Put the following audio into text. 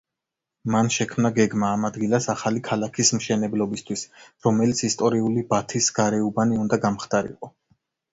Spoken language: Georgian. მან შექმნა გეგმა ამ ადგილას ახალი ქალაქის მშენებლობისთვის, რომელიც ისტორიული ბათის გარეუბანი უნდა გამხდარიყო.